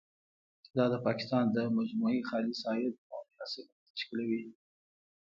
چې دا د پاکستان د مجموعي خالص عاید، اویا سلنه تشکیلوي.